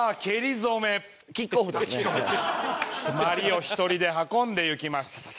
鞠を１人で運んでゆきます。